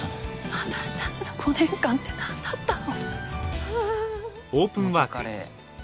私たちの５年間って何だったの？